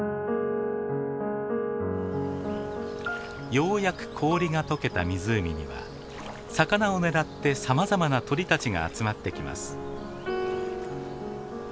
ようやく氷が解けた湖には魚を狙ってさまざまな鳥たちが集まってきます。